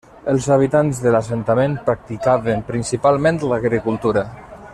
Els habitants de l'assentament practicaven principalment l'agricultura.